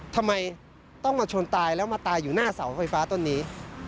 ทำไมต้องมาชนตายแล้วมาตายอยู่หน้าเสาไฟฟ้าต้นนี้